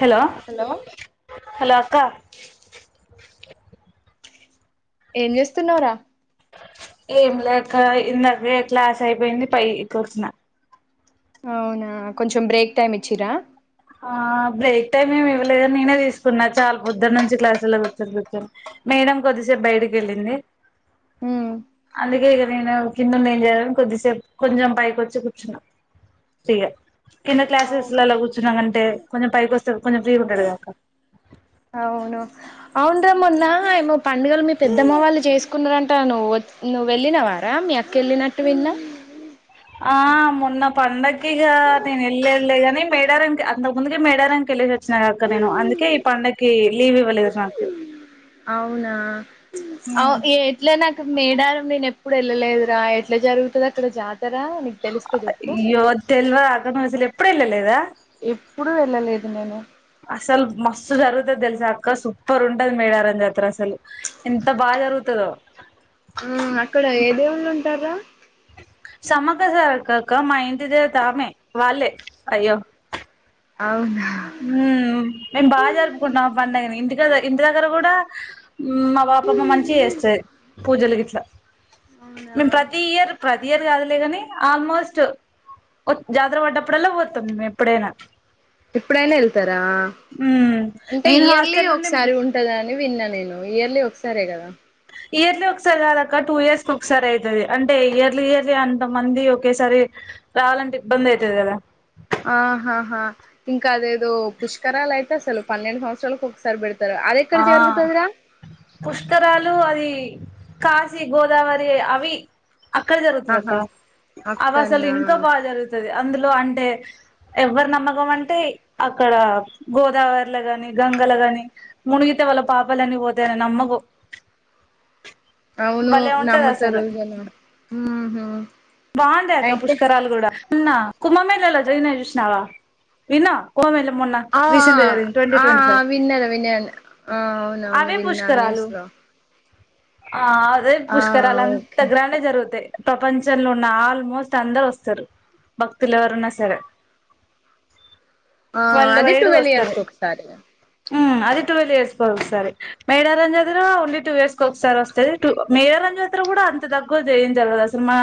Hello hello అ క్క ఎం జేస్తున్నావ్ రా? ఏంలే అక్క ఇందాకే క్లాస్ ఐపేంది పై కొచ్నా అవునా కొంచెం బ్రేక్ టైమ్ ఇచ్చిర్రా ఆ బ్రేక్ టైమ్ ఏమి ఇవ్వలేదు నేనే తీసుకున్నా చాలా పొద్దున్న నుంచి క్లాసలో కూర్చొని కూర్చొని మేడం కొద్దిసేపు బయటకి వెళ్ళింది అందుకే ఇక నేను కింద ఏం చేయని కొద్దిసేపు కొంచెం పైకి వచ్చి కూర్చున్నాను ఫ్రీగా కింద క్లాసెస్లలో కూ తిందమంటే కొంచెం పైకి వస్తరు కొంచెం ఫ్రీ ఉంటరూ గదా అక్క అవును అవున్రా మొన్న ఏమో పండుగల్ మీ పెద్దమ్మ వాళ్ళు చేస్కున్నారంట నువ్వు వచ్ నువ్వు వెళ్ళినవారా మీ అక్క వెళ్ళినట్టు విన్నా ఆ మొన్న పండగ్కి కిగా నేను వెళ్ళళ్లేద్ గాని మేడారమ్ కి అంతకు ముందుకి మేడారం కివెళ్లేసి వచ్చినా గాక్క నేను అందుకే ఈ పండగ కి లీవ్ ఇవ్వలేదు నాకు ఔనా ఔ ఏ ఎట్లే నక్ మేడారం నేను ఎప్పుడు ఏళ్ళలేదురా ఎట్లా జరుగుతది అక్కడ జాత్ అయ్యో తెల్వద్ అక్ నువ్వు అసలు ఎప్పుడు ఏళ్లలేదా ఏప్పుడు వెళ్ళలేదు నేను మస్త్ జరుగుతది తెల్సా అక్క సూపర్ ఉంటది మేడారం జాతర అసల్ ఎంత బాగా జరుగుతదో హు అక్కడ ఏదేవుల్లు ఉంట టరా సమ్మక్క సారక్క అక్క మా ఇంటి దేవత ఆమె వాళ్ళే అయ్యో అవునా హు మేమ్ బాగా జరుపుకుంటామ్ ఆ పండగ నీ ఇంటి కాడా ఇంటి దగ్గర కూడా హు మా బపమ్మ మంచిగా చేస్త్ది పూజల్ గిట్లా అవునా మేమ్ ప్రతి ఇయర్ ప్రతి ఇయర్ కాదులే గాని ఆల్మోస్ట్ ఒ జాతర పడ్డప్పుడల్లా పోతాం మేము ఎప్పుడైనా ఎప్పుడైనా వెళ్తార్ దా మ్మ్ అంటే నేను ఇయర్లీ హాస్టల్ ఒక నుండి సారి ఉంటదంట విన్నా నేను ఇయర్లీ ఒక సరే గదా ఇయర్లీ ఒక్సారి కాదక్క టూ ఇయర్స్ కి ఒక్సారి అయ్తది అంటే ఇయర్లీ ఇయర్లీ అంతమంది ఒకేసారి రావాలంటే ఇబ్బంది అయ్తది గదా ఆ ఆహహ ఇంకా అదేదో పుష్కరలయ్తే అస్సల్ పన్నెండు సంవత్సరాల్కి ఒక్సారి బెడత్ ఆ పుష్కరాలు అది కాశీ గోదావరి అవీ అక్కడ జరుగుతది అక్క ఆహా అవి అసలు అక్కన్నా ఇంకా బాగా జరుగుతది అందులో అంటే ఎవ్వర్ నమ్మకం అంటే అక్కడ గోదావర్ల గాని గంగల గాని మునిగితే వాలా పాపలన్ని పోతయని నమ్మకమ్. అవును నమ్ముతారు ఎగన ఆహా బావుంటాయి అక్క పుష్కరాలు కూడా మొన్న కుంబమేళలో జరిగినయ్ జూస్నవా విన్న కుంబమేళ ఆ ఆ అ అ విన్న్ రా విన ఆ అవునవును అవే విన్నా పుష్కరాలు న్యూస్లో ఆ అదే పుష్కరాల్ ఓకే అంత గ్రాండ్గా జరుగుతాయ్ పంపంచ్ చంలో ఉన్న ఆల్మోస్ట్ అందరోస్తారు భక్తులు ఎవరన్నా సరే ఆ వరల్డ్ అది వైడ్ టువెెల్ ఇయర్స్ వస్తది ఒక్సారిగా ఉమ్ అది టువెల్ ఇయర్స్కి ఒక్సారి మేడారంజాతర ఓన్లీ టూ ఇయర్స్కి ఒక్సారోస్తది టూ మేడారంజతర గూడా అంత తక్కువ ఎంజరగదసలు మన.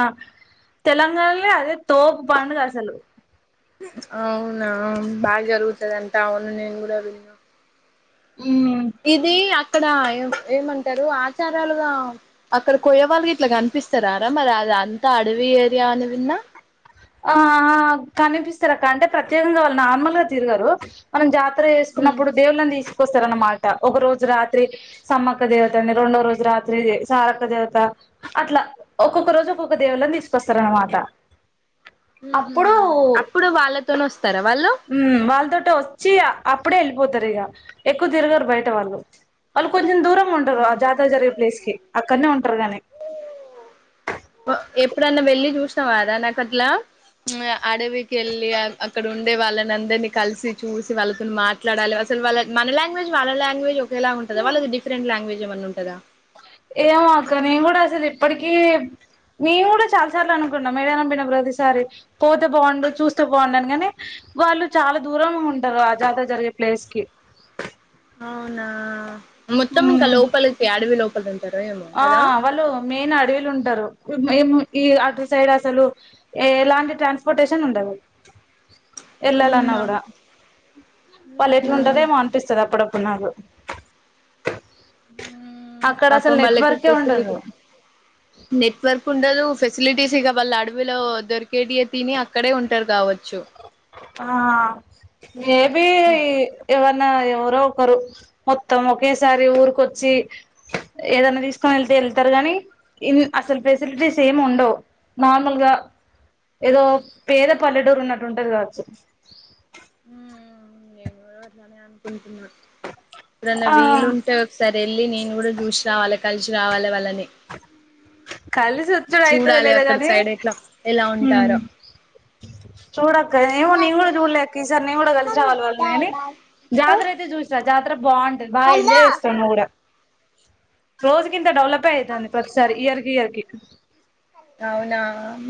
తెలంగాణన్లే అదే తోప్ పండగ అసలు అవునా బా జరుగుతద అంతా అవును నేను కూడా వినా ఉమ్ ఇది అ క్కడ ఏ ఏమంటారు ఆచారాలుగా అక్కడ కొయ్యే వాళ్ళకి ఇట్లా కనిపిస్తారారా మరి అది అంత అడవి ఏరియా అని విన్నా. ఆ కనిపిస్తారు అక్క అంటే ప్రత్యేకంగా వాళ్ళు నార్మల్ గా తిరగరు మనం జా త్ర చేసుకున్నప్పుడు దేవుళ్ని తీస్ కొస్తార అనమాట ఒక రోజు రాత్రి సమ్మక్క దేవతని రెండో రోజు రాత్రి సారక దేవత అట్లా ఒక్కొక్క రోజు ఒక్కొక్క దేవుళ్లను తీసుకొస్తార అనమాట. ఉహు అప్పుడు అప్పుడు వాళ్ళతోనే వస్తారా వాళ్ళు ఉ వాళ్ళతోటి వచ్చి ఆ అప్పుడే వెళ్ళిపోతారు ఇక ఎక్కువ తిరగారు బయట వాళ్ళు వాళ్ళు కొం చెం దూరంగా ఉండరు ఆ జాతర జరిగే ప్లేస్ కి. అక్కనే ఉంటారు గాని. ఎప్పుడన్నా వెళ్లిి చూసినావర నాకు అట్లా అడవికి వెళ్ళి అక్కడ ఉండే వాళ్ళని అందరినీ కలిసి చూసి వాళ్ళతోనీ మాట్లాడాలి అసలు వాళ్ళ మన లాంగ్వేజ్ వాళ్ళ లాంగ్వేజ్ ఒకేలాగా ఉంటదా వాళ్ళకి డిఫరెంట్ లాంగ్వేజ్ ఏమన్నా ఉంటదా. ఏమో అక్క నేము కూడా అసలు ఇప్పటికీ మేము కూడా చాలా సార్లు అనుకుంటున్నాం, మేడనం పిన ప్రతిసారి. పోతే బాగుండు, చూస్తే బాండు అని, కాని వాళ్ళు చాలా దూరం ఉంటారు ఆ జాతర జరిగే ప్లేస్ కి. అవునా మొత్తం ఇంకా లోపలికి అడవి లో [unintelligible] ఆ వాళ్ళు మెయిన్ అడవిలు ఉంటారు మేము ఈ అటు సైడ్ అసలు ఎలాంటి ట్రాన్స్పోర్టేషన్ ఉండదు. వెళ్ళాలన్నా అమ్మా కూడా వాళ్ళు ఎట్లాంటద ఏమో అనిపిస్తుది అప్పుడప్పుడు నాకు. అక్కడ అసలు పాపం వల్ కు నెట్వర్కే ఉండదు ఫెసిలిటీ నెట్వర్ ఉండదు ఫెసిలిటీస్ ఇక వాళ్ళ అడవిలో దొరికేటియ తిని అక్కడే ఉంటారు కావచ్చు. ఆ మేబీ ఏవన్న ఎవరో ఒకరు మొత్తం ఒకేసారి ఊరికొచ్చి ఏదైనా తీసుకొని వెళ్తే వెళ్తారు ని ఇన్ అసలు ఫెసిలిటీస్ ఏమి ఉండవు నార్మల్ గా ఏదో పేద పల్లెటూరు ఉన్నట్టు ఉంటది కాదు ఉమ్ అనుకుంటూ ఏదన్న ఆ వీలుంటే ఒకసారి వెళ్ళి నేను కూడా చూసి రావాలి కలిసి రావాలి వాళ్ళని కలిసి వచ్చడు అయితది చూడాలి లేదా అక్కడ కానీ సైడ్ ఎట్లా ఎలా ఉంటారో చూడక్క ఏమో నీను కూడా చూడలేక్క ఈసారి నీను కూడా కలిసి రావాలి వాళ్ళని కాని జాతర అయితే చూసా జాతర బాగుంటది బా ఎంజాయ్ చేస్తావు నువ్వు కూడా రోజు కింత డెవెల్ పైతంది ప్రతిసారి [unintelligible] అవునా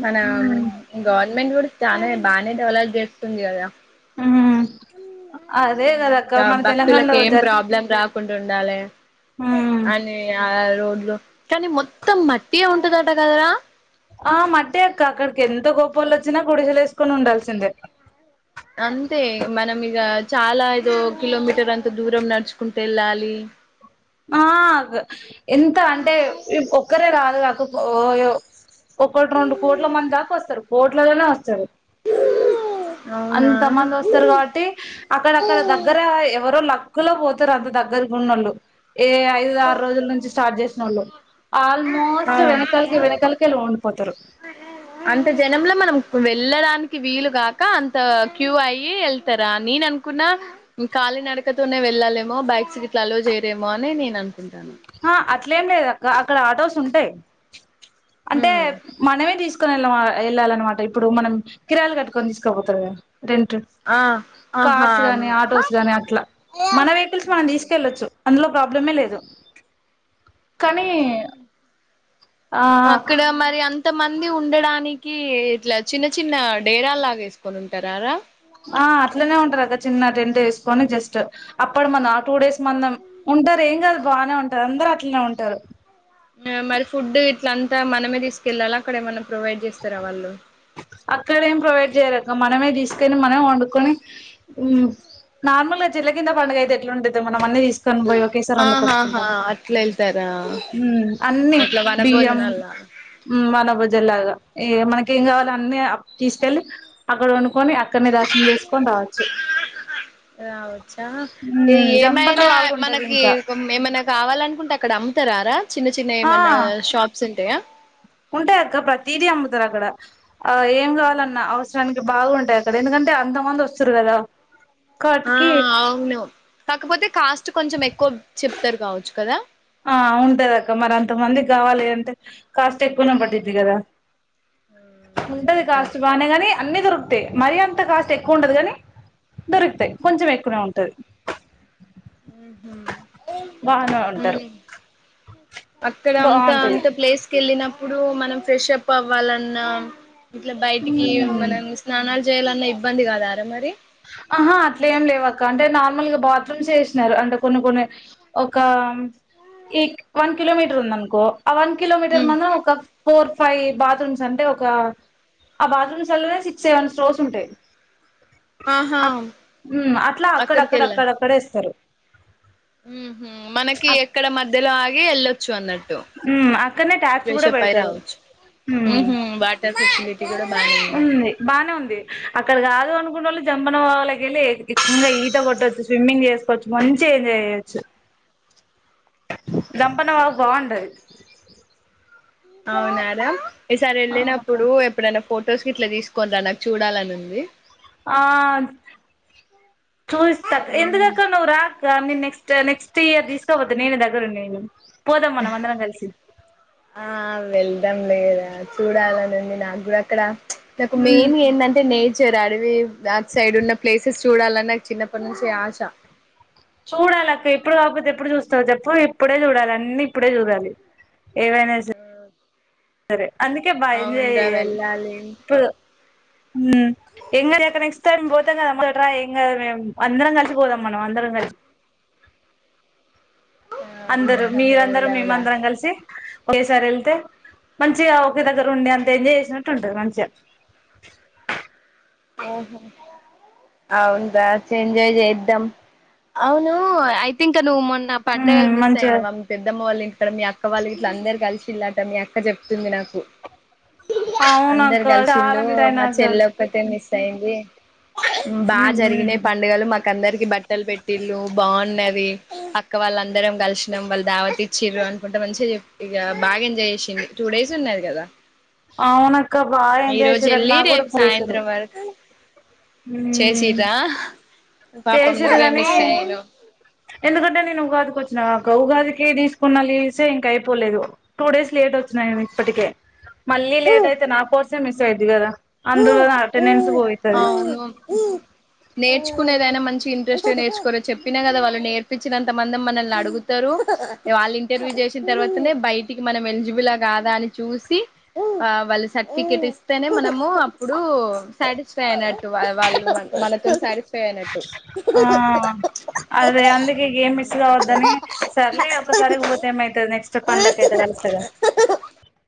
మన ఉమ్ గవర్నమెంట్ కూడా చానే బాగానే డెవలప్ చేస్తుంది కదా ఉమ్ అదే కదక్క ఇంకా మన భక్తులకు తెలంగాణలో ఏం జ ప్రాబ్లం రాకుండా ఉండాలి ఉమ్ అని రోడ్ లో కానీ మొత్తం మట్టియే ఉంటదట కదరా ఆ మట్టే అక్క అక్కడికి ఎంత గొప్పోల్లు వచ్చినా గుడిసేలు వేసుకొని ఉండాల్సిందే అంతే మనం ఇగ చాలా ఏదో కిలోమీటర్ అంత దూరం నడుచుకుంట వెళ్ళాలి ఆ ఎంత అంటే ఒక్కరే రారు ఓ ఒకటి రెండు కోట్ల మంది దాకా వస్తారు కోట్లలోనే వస్తారు అవునా అంతమంది వస్తారు కాబట్టి అక్కడ అక్కడ దగ్గర ఎవరో లక్ లో పోత రు అంత దగ్గరగా ఉన్నోళ్లు ఏ ఐదు ఆరు రోజుల నుంచి స్టార్ట్ చేసిన వాళ్ళు ఆ ఆల్మోస్ట్ వెనకాలకి వెనకాలకేల్ ఉ పోతారు అంత జనంలో మనం వెళ్ళడానికి వీలుగాక అంత క్యూ అయి వెళ్తారా నేను అనుకున్నా కాలీ నడకతోనే వెళ్ళాలేమో బైక్స్ ఇట్లా అలో చేయరేమో అని నేను అనుకుంటాను ఆ అట్లేం లేదు అక్క అక్కడ ఆటోస్ ఉంటాయి అంటే ఉమ్ మనమే తీసుకు తీసుకొని వెళ్ళ వెళ్ళాలన్నమాట ఇప్పుడు మనం కిరాలు కట్టుకొని తీసుకోపోతరు కదా రెంట్ ఆ కార్స్ గాని ఆహా ఆటోస్ గానీ అట్లా మన వెహికల్స్ మనం తీసుకెళ్ళొచ్చు అందులో ప్రాబ్లమే లేదు కానీ అవునా ఆ అక్కడ మరి అంత మంది ఉండడానికి ఇట్లా చిన్న చిన్న డేరాల్లాగా వేసుకొని ఉంటారా రా ఆ అట్లనే ఉంటారక్క చిన్న రెండు వేసుకొని జస్ట్ అప్పుడు మనం ఆ టూ డేస్ మనం ఉంటారు ఏం కాదు బానే ఉంటారు అందరు అట్లనే ఉంటారు ఆ మరి ఫుడ్ ఇట్ల అంతా మనమే తీసుకెళ్ళాలా అక్కడ ఏమైనా ప్రొవైడ్ చేస్తారా వాళ్ళు అక్కడ ఏం ప్రొవైడ్ చేయరక్క మనమే తీసుకని మనం వండుకొని నార్మల్గా చెట్ల కింద పండుగ అయితే ఎట్లా ఉంటది మనం అన్ని తీసుకొని తీకొని పోయి ఒకేసారి ఆహాహా రెండుకొచ్చుకుంటాం అట్లా వెళ్తారా అన్ని ఇట్లా బియ్యం వనభోజనాల్లా మనభజల్లాగా ఏ మనకి ఏం కావాలి అన్ని తీసుకెళ్ళి అక్కడ వండుకొని అక్కడనే దర్శనం చేసుకొని రావచ్చు రావచ్చా ఉమ్ జంపన్న ఏమైనా బాగుంటది మనకి ఇంకా ఏమైనా కావాల అనుకుంటే అక్కడ అమ్ముతారారా చిన్న చిన్న ఏమనా షాప్స్ ఉంటాయా ఉంటాయక ప్రతీది అమ్ముతారు అక్కడ ఆ ఏం కావాలన్నా అవసరానికి బాగుంటాయి అక్కడ ఎందుకంటే అంత మంది వస్తారు కదా ఆ కాటికి అవును కాకపోతే కాస్త కొంచెం ఎక్కువ చెప్తారు కావచ్చు కదా ఆ అవును కదా అక్క మరి అంత మంది కావాలి అంటే కాస్త ఎక్కువనే పట్టిద్ది కదా అది ఉంటది కూడా కాస్ట్ కరెక్టే బాగా గాని అన్ని దొరుకు మరి అంత కాస్ట్ ఎక్కువ ఉంటదు కాని దొరుకుతాయి కొంచెం ఎక్కువనే ఉంటది బానే ఉంటరు [unintelligible] [inaudible] అక్కడ అంతా బాగుంటది అంత ప్లేస్ కి వెళ్లినప్పుడు ఇప్పుడు మనం ఫ్రెష్ అప్ అవ్వాలన్నా ఇట్లా బయటికి మనం స్నానాలు చేయాలన్న ఇబ్బంది కాదారా మరి ఆహా అట్లా ఏం లేవు అక్క అంటే నార్మల్గా బాత్రూమ్స్ చేసినారు అంటే కొన్ని కొన్ని ఒక ఏక్ వన్ కిలోమీటర్ ఉంది అనుకో ఆ వన్ కిలోమీటర్ ఉమ్ మత్రం ఒక ఫోర్ ఫైవ్ బాత్రూమ్స్ అంటే ఒక ఆ బాత్రూమ్స్ అలోనే సిక్స్ సెవెన్ స్ట్రోర్స్ ఉంటాయి ఆహా అట్లా అక్కడికి అక్కడక్కడ వెళ్ళా అక్కడక్కడే ఇస్తారు ఉహు మనకి ఎక్కడ మధ్య మధ్యలో ఆగి ఎల్ వెళ్ళచ్చు అన్నట్టు మ్ అక్కడనే ట్యాప్స్ ఫ్రెష్ కూడా అప్ పై పెడతరు రావచ్చు మ్ అమ్మ టి కూడా ఉంది బానే అక్కడ కాదు అనుకుంటే వాళ్ళు జంపన వాళ్ళకి వెళ్ళి ఈట కొట్టొచ్చు స్విమ్మింగ్ చేసుకోవచ్చు మంచి ఎంజాయ్ చేయచ్చు దంపన వా బావుంటది అవునా రా ఈసారి అవునక్క వెళ్ళినప్పుడు ఎప్పుడైనా ఫొటోస్ క ఇట్లా తీసుకోని రా నాకు చూడాలని ఉంది ఆ చూస్తాక ఎందుగాక నువ్వు రా కానీ నెక్స్ట్ నెక్స్ట్ ఇయర్ తీసుకోపోతే నేను దగ్గర నేను పోదాం మనం అందరం కలిసి ఆ వెళ్దాం లేరా చూడాలని ఉంది నా గుడక్కడ నాకు మెయిన్గా ఏంటంటే నే అడవి ఆ సైడ్ ఉన్న ప్లేసెస్ చూడాలని నాకు చిన్నప్పటి నుంచి ఆశ చూడాలి అక్క ఎప్పుడు కాకపోతే ఎప్పుడు చూస్తారు చెప్పు ఇప్పుడే చూడాలి అన్ని ఇప్పుడే చూడాలి ఏవైనా సరే అందుకే బాగా ఎంజాయ్ అవునురా చెయ్యాలి వెళ్ళాలి ఇప్పుడు ఇంకా నెక్స్ట్ టైమ్ పోతాే రా ఏం కాదు గని అందరం కలిసి పోదాం మనం అందరం కలిసి ఆ అందరు మీరందర వెళ్దాం మేమ రా అందరం కలిసి ఒకేసారి వెళ్తే మంచిగా ఒకే దగ్గర ఉండి అంత ఎంజాయ్ చేసినట్టు ఉంటుంది మంచిగా ఓహ అవునుా ఎంజాయ్ చేద్దాం అవును ఈ థింక్ నువ్వు మో నా హ్మ్ పండగలు మిస్ మంచిగా అయినావా మీ పెద్దమ్మ వాళ్ళు ఇక్కడ మీ అక్క వాళ్ళకి ఇట్లా అందరు కలిసి చిల్లాటం అక్క చెప్తుంది నాకు అవును అక్క చాలా మిస్ అయిన అస్సల్ మీసై అదే బాగా హ్మ్ హ్మ్ జరిగినాయి పండుగలు మాక అందరికి బట్టలు పెట్టిళ్ళు బాగున్నది అక్క వాళ్ళందరం కల్షినం వల్ళ దావత్ ఇచ్చిర్రు కుంట మంచిగా చెప్ ఇక బాగా ఎంజాయ్ చేసింది టూ డేస్ ఉన్నాది కదా అవునా బాగా ఈ ఎంజాయ్ రోజు చేసారు అంట వెళ్ళి నాకు కూడా రేపు పిలిసారు సాయంత్రం వరకు చేసిర్రా పాపం చేసారు నువ్వే కాని మిస్ అయినవ్ ఎందుకంటే నేను ఉగాది కి వాచ్ నా క ఉగాదికి తీ కొన్న లీవ్సే ఇంక అయిపోలేదు టూ డేస్ లేట్ వచ్చిన్నాయి ఇప్పటికే మళ్ళీ లేట్ అయితే నా కోసం మిస్ అయిది కదా అందులో అటెండెన్స్ పోతుంది నేర్చుకునేద మంచి ఇంట్రెస్ట్ నేర్చుకో చెప్పినా కదా వాళ్ళు నేర్పినంత మ మల్ని అడుగుతారు వాళ్ళు ఇంటర్వూ చెసినతర్వతానే బయటికి మన ఎలిజిబుల్ కాదా అని చూ వాలు సర్ట్ టికెట్ ఇస్తేనే మనము అప్పుడు సాటిస్ఫై అయినట్టు వాళ్ళ మనతో సాటిస్ఫై అయినట్టు ఆ అదే అందుకే గేమ్ మిస్ అట్లనే అవద్దని సర్లి ఒకసారి గుతే ఏమైతుది నెక్స్ట్ పండక్ అయితే కలుస్తుదా